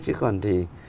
chứ còn thì